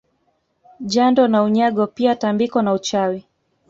Jando na Unyago pia tambiko na uchawi